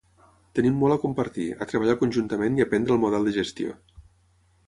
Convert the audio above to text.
Tenim molt a compartir, a treballar conjuntament i aprendre el model de gestió.